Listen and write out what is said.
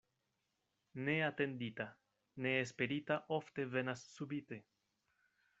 Ne atendita, ne esperita ofte venas subite.